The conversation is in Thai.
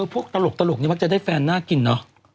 พวกตลกนี่มักจะได้แฟนน่ากินน่ะ